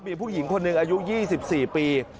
มีผู้หญิงคนหนึ่งอายุ๒๔ปี